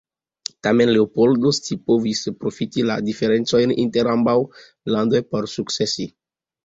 Tamen, Leopoldo scipovis profiti la diferencojn inter ambaŭ landoj por sukcesi.